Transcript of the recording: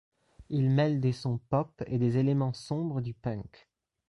Il mêle des sons pop et des éléments sombres du punk.